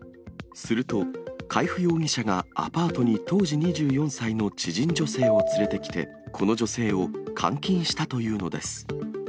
すると、海部容疑者がアパートに当時２４歳の知人女性を連れてきて、この女性を監禁したというのです。